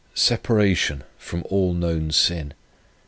Separation from all known sin.